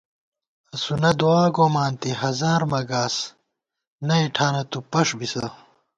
اسُونہ دُعاگومانتی، ہزار مَہ گاس، نئ ٹھانہ تُو پݭ بِسہ